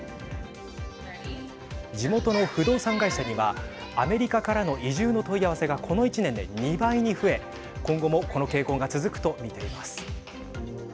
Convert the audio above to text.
地元の不動産会社にはアメリカからの移住の問い合わせがこの１年で２倍に増え今後もこの傾向が続くと見ています。